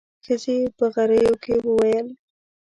ښځې په غريو کې وويل.